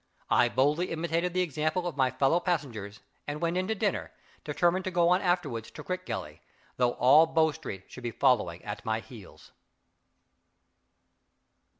I boldly imitated the example of my fellow passengers, and went in to dinner, determined to go on afterward to Crickgelly, though all Bow Street should be following at my heels.